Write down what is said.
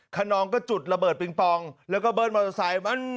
คนนองก็จุดระเบิดปิงปองแล้วก็เบิ้ลมอเตอร์ไซค์